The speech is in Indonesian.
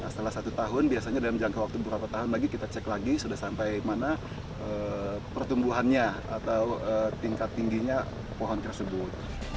setelah satu tahun biasanya dalam jangka waktu beberapa tahun lagi kita cek lagi sudah sampai mana pertumbuhannya atau tingkat tingginya pohon tersebut